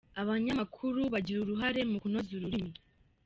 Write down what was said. Abanyamakuru bagira uruhare mu kunoza ururimi.